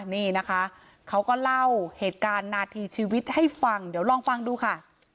นี่นะคะเขาก็เล่าเหตุการณ์นาทีชีวิตให้ฟังเดี๋ยวลองฟังดูค่ะ